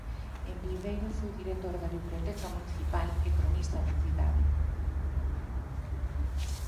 En Viveiro foi director da Biblioteca municipal e cronista da cidade.